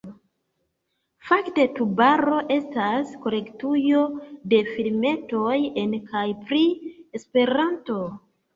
Fakte Tubaro estas kolektujo de filmetoj en kaj pri Esperanto.